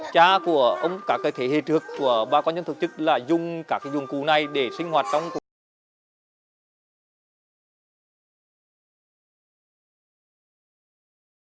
cha của các thế hệ trước của bà con dân tộc chất là dùng các dụng cụ này để sinh hoạt trong cuộc đời